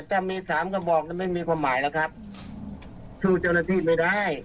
ถ้ามีสามกระบอกนั้นไม่มีความหมายแล้วครับสู้เจ้าหน้าที่ไม่ได้